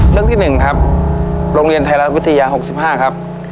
เรื่องที่๑ครับโรงเรียนไทยรัฐวิทยา๖๕ครับ